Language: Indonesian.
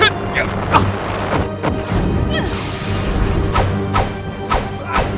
apakah bisa berbentuk ini